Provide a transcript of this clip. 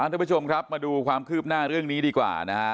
ทุกผู้ชมครับมาดูความคืบหน้าเรื่องนี้ดีกว่านะฮะ